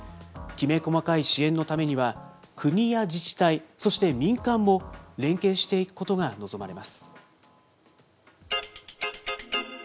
きめ細かい支援のためには、国や自治体、そして民間も連携していくことが望まれます。